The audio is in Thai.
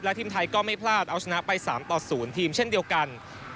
และทีมไทยก็ไม่พลาดเอาชนะไป๓ต่อ๐ครับ